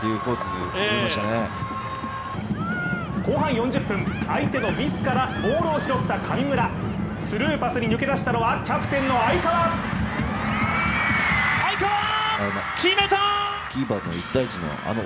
後半４０分、相手のミスからボールを拾った神村、スルーパスに抜け出したのはキャプテンの愛川。